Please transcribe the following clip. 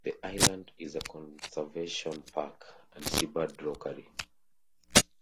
The island is a conservation park and seabird rookery.